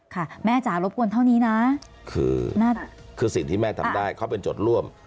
ค่ะแม่จ๋ารบกวนเท่านี้นะคือสิ่งที่แม่ทำได้เขาเป็นจดร่วม